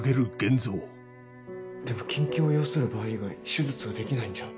でも緊急を要する場合以外手術はできないんじゃ。